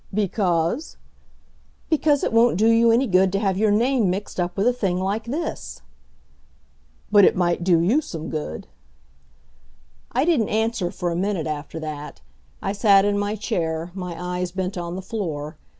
"Because?" "Because it won't do you any good to have your name mixed up with a thing like this." "But it might do you some good." I didn't answer for a minute after that. I sat in my chair, my eyes bent on the floor.